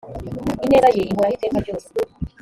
ineza ye ihoraho iteka ryose